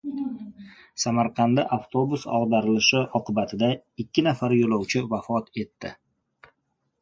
Samarqandda avtobus ag‘darilishi oqibatida ikki nafar yo‘lovchi vafot etdi